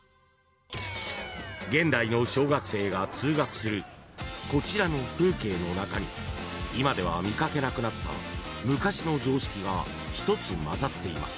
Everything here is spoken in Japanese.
［現代の小学生が通学するこちらの風景の中に今では見掛けなくなった昔の常識が１つまざっています］